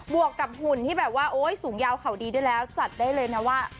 วกกับหุ่นที่แบบว่าโอ๊ยสูงยาวเขาดีด้วยแล้วจัดได้เลยนะว่า